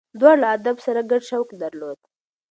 دواړو له ادب سره ګډ شوق درلود.